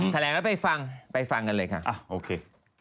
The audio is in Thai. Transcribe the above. แถลงแล้วไปฟังไปฟังกันเลยค่ะโอเค